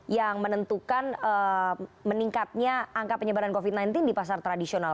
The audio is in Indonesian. yang menentukan meningkatnya angka penyebaran covid sembilan belas di pasar tradisional